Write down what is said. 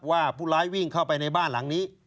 ผู้ร้ายวิ่งเข้าไปในบ้านหลังนี้